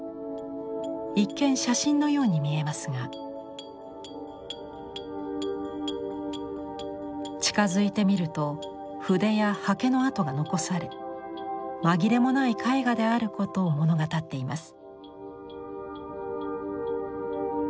一見写真のように見えますが近づいて見ると筆や刷毛の跡が残され紛れもない絵画であることを物語っています。